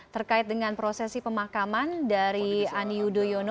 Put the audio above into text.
terkait dengan prosesi pemakaman dari ani yudhoyono